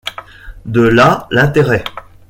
De là l’intérêt.